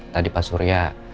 tadi pak surya